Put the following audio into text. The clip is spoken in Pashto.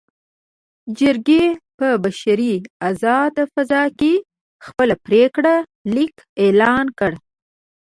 جرګې په بشپړه ازاده فضا کې خپل پرېکړه لیک اعلان کړ.